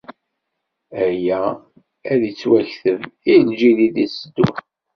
Aya ad ittwakteb i lǧil i d-itteddun.